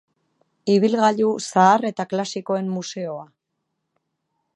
Ibilgailu zahar eta klasikoen museoa.